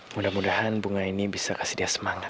mudah mudahan bunga ini bisa kasih dia semangat